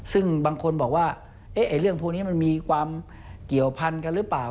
ซึ่งบางคนบอกว่าเรื่องพวกนี้มันมีความเกี่ยวพันกันหรือเปล่า